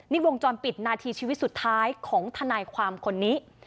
นี่วงจรปิดนาทีชีวิตสุดท้ายของทนายความคนนี้